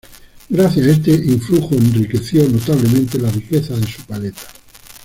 Gracias a este influjo enriqueció notablemente la riqueza de su paleta.